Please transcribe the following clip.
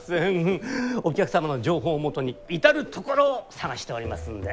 お客様の情報をもとに至る所を探しておりますので。